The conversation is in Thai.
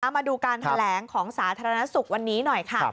มาดูการแถลงของสาธารณสุขวันนี้หน่อยค่ะ